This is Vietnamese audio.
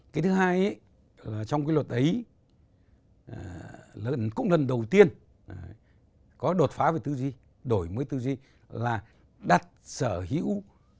cái thứ hai trong cái luật ấy cũng lần đầu tiên có đột phá với tư duy đổi với tư duy là đặt sở hữu